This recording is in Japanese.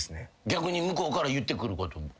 逆に向こうから言ってくることも？